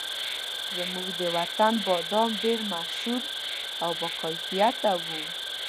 زموږ د وطن بادام ډېر مشهور او باکیفیته وو.